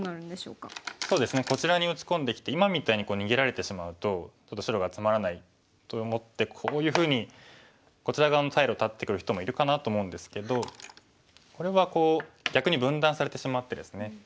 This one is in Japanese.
こちらに打ち込んできて今みたいに逃げられてしまうとちょっと白がつまらないと思ってこういうふうにこちら側の退路を断ってくる人もいるかなと思うんですけどこれは逆に分断されてしまってですね